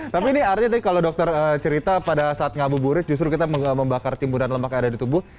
tapi ini artinya tadi kalau dokter cerita pada saat ngabuburit justru kita membakar timbunan lemak yang ada di tubuh